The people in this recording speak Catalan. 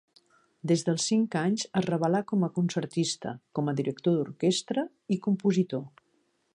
Des dels cinc anys es revelà com a concertista, com a director d'orquestra i compositor.